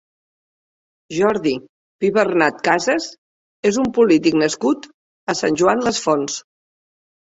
Jordi Pibernat Casas és un polític nascut a Sant Joan les Fonts.